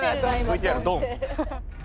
ＶＴＲドン！。